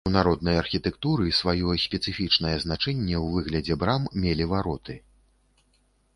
У народнай архітэктуры сваё спецыфічнае значэнне ў выглядзе брам мелі вароты.